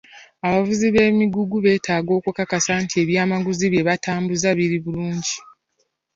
Abavuzi b'emigugu betaaga okukakasa nti eby'amaguzi bye batambuza biri bulungi.